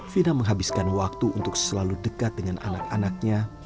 fina menghabiskan waktu untuk selalu dekat dengan anak anaknya